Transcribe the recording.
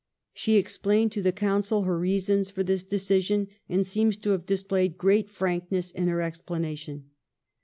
She explained to the Council her reasons for this decision, and seems to have displayed great frankness in her explanation.